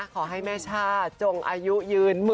ขอให้แม่ช่าจงอายุยืน